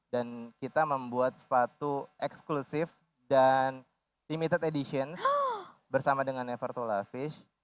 dan kita membuat sepatu eksklusif dan limited edition bersama dengan never to laugh fish